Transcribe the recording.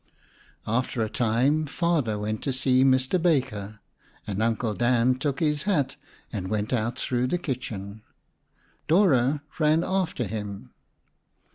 After a time Father went to see Mr. Baker, and Uncle Dan took his hat and went out through the kitchen. Dora ran after him.